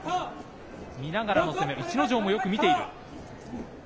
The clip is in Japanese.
見ながらの攻め、逸ノ城もよく見ている。